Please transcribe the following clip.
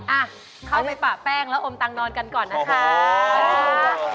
เอ้าเข้าไปป่าแป้งแล้วอมตังดอนกันก่อนนะครับ